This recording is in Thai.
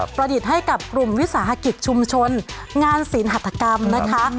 ดิษฐ์ให้กับกลุ่มวิสาหกิจชุมชนงานศีลหัฐกรรมนะคะ